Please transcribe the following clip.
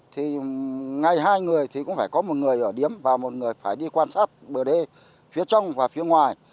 thì ngày hai người thì cũng phải có một người ở điếm và một người phải đi quan sát bờ đê phía trong và phía ngoài